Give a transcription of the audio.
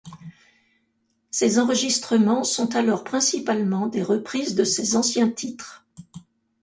Ses enregistrements sont alors principalement des reprises de ses anciens titres.